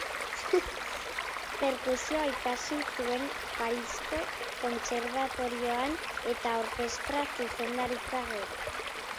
Perkusioa ikasi zuen Parisko Kontserbatorioan, eta orkestra-zuzendaritza gero.